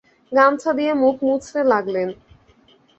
গামছা দিয়ে মুখ মুছতে লাগলেন।